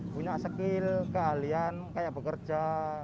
punya skill keahlian kayak bekerja